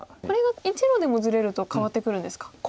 これが１路でもずれると変わってくるんですか。